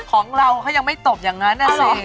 ของเราเขายังไม่ตบยังไงน่ะสิ